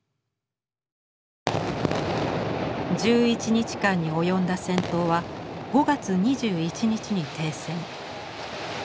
１１日間に及んだ戦闘は５月２１日に停戦。